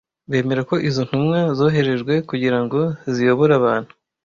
Bemera ko izo ntumwa zoherejwe kugira ngo ziyobore abantu